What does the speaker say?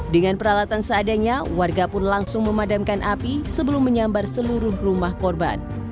dengan peralatan seadanya warga pun langsung memadamkan api sebelum menyambar seluruh rumah korban